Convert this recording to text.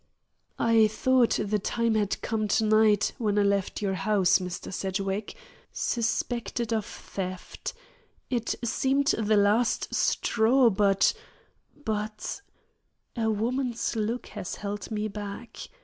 I thought the time had come to night when I left your house, Mr. Sedgwick, suspected of theft. It seemed the last straw; but but a woman's look has held me back.